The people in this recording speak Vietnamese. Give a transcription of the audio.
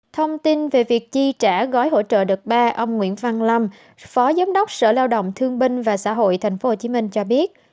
thông tin về việc chi trả gói hỗ trợ đợt ba ông nguyễn văn lâm phó giám đốc sở lao động thương binh và xã hội tp hcm cho biết